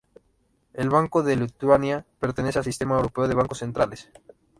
El Banco de Lituania pertenece al Sistema Europeo de Bancos Centrales.